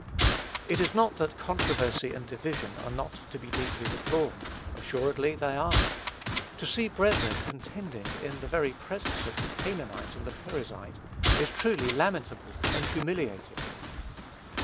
It is not that controversy and division are not to be deeply deplored: assuredly they are. To see brethren contending in the very presence of "the Canaanite and the Perizzite," is truly lamentable and humiliating.